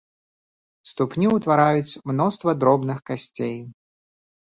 Ступню ўтвараюць мноства дробных касцей.